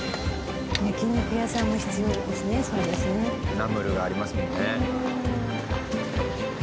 ナムルがありますもんね。